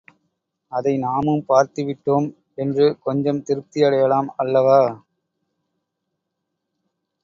அதை நாமும் பார்த்து விட்டோம் என்று கொஞ்சம் திருப்தியடையலாம் அல்லவா?